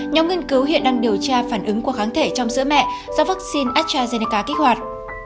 nhóm nghiên cứu hiện đang điều tra phản ứng của kháng thể trong sữa mẹ do vaccine astrazeneca kích hoạt